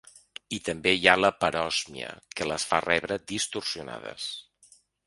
I també hi ha la paròsmia, que les fa rebre distorsionades.